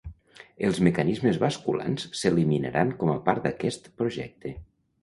Els mecanismes basculants s"eliminaran com a part d"aquest project.